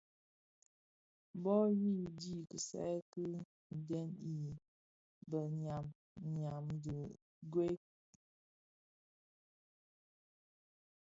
Bô yu dhi kisai ki dèn i biňyam ňyam dhi gëëk.